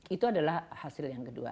itu adalah hasil yang kedua